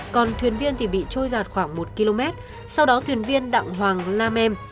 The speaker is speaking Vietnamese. còn thuyền viên bị trôi giạt khoảng một km sau đó thuyền viên đặng hoàng lam em